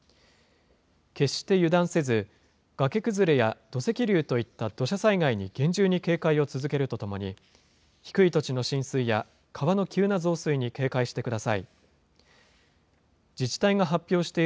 決して油断せず、崖崩れや土石流といった土砂災害に厳重に警戒を続けるとともに、低い土地の浸水や川の急な増水に警戒してください。